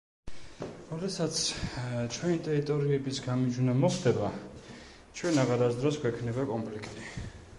როდესაც ჩვენი ტერიტორიების გამიჯვნა მოხდება, ჩვენ აღარასდროს გვექნება კონფლიქტი.